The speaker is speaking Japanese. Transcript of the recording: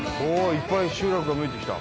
いっぱい集落が見えてきた。